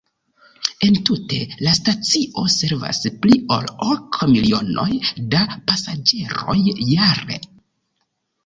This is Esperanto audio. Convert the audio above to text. Entute, la stacio servas pli ol ok milionoj da pasaĝeroj jare.